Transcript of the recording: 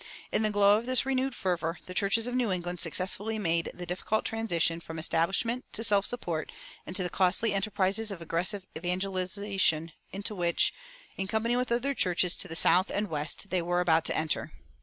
In the glow of this renewed fervor, the churches of New England successfully made the difficult transition from establishment to self support and to the costly enterprises of aggressive evangelization into which, in company with other churches to the South and West, they were about to enter.